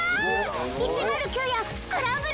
１０９やスクランブル